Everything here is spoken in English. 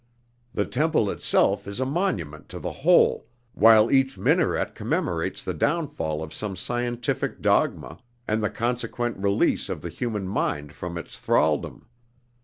The temple itself is a monument to the whole, while each minaret commemorates the downfall of some scientific dogma, and the consequent release of the human mind from its thralldom.